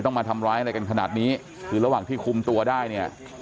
มาทำร้ายอะไรกันขนาดนี้คือระหว่างที่คุมตัวได้เนี่ย